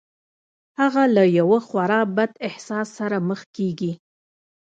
هغه له یوه خورا بد احساس سره مخ کېږي